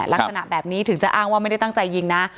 ลักษณะแบบนี้ถึงจะอ้างว่าไม่ได้ตั้งใจยิงนะ